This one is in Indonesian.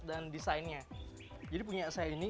dan desainnya jadi punya saya ini